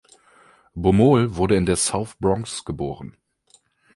Baumol wurde in der South Bronx geboren.